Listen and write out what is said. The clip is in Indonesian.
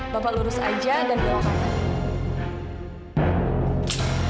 bapak lurus aja dan bawa ke rumah